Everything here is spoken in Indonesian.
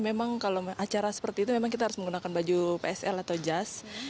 memang kalau acara seperti itu memang kita harus menggunakan baju psl atau jas